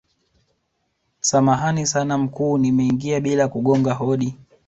samahani sana mkuu nimeingia bila kugonga hodi